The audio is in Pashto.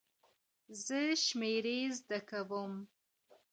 زه شمېرې زده کوم.